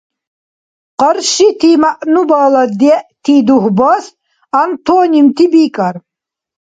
Къаршити мягӀнубала дегӀти дугьбас антонимти бикӀар.